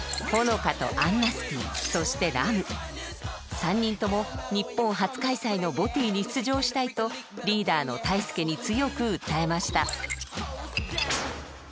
３人とも日本初開催のＢＯＴＹに出場したいとリーダーのＴＡＩＳＵＫＥに強く訴えました。